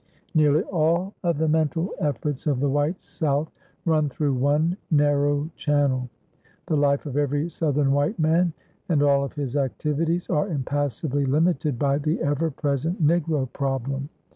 Nearly all of the mental efforts of the white South run through one narrow channel. The life of every Southern white man and all of his activities are impassably limited by the ever present Negro problem.